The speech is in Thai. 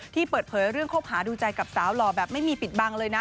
เปิดเผยเรื่องคบหาดูใจกับสาวหล่อแบบไม่มีปิดบังเลยนะ